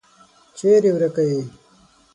چیري ورکه یې ؟